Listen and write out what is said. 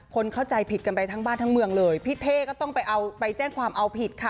คนเข้าใจผิดกันไปทั้งบ้านทั้งเมืองเลยพี่เท่ก็ต้องไปเอาไปแจ้งความเอาผิดค่ะ